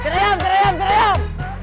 keriam keriam keriam